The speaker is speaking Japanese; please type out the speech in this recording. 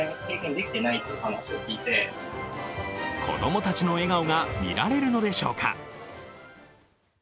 子供たちの笑顔が見られるのでしょうか。